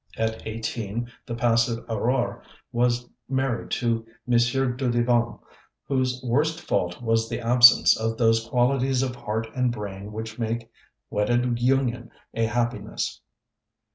At eighteen the passive Aurore was married to M. Dudevant, whose worst fault was the absence of those qualities of heart and brain which make wedded union a happiness.